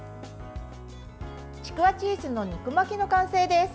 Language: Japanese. ちくわチーズの肉巻きの完成です。